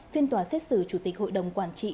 phiên tòa xét xử chủ tịch hội đồng quản trị